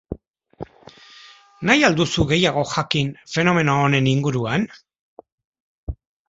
Nahi al duzu gehiago jakin fenomeno honen inguruan?